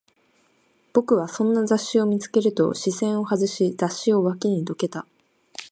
僕はそんな雑誌を見つけると、視線を外し、雑誌を脇にどけた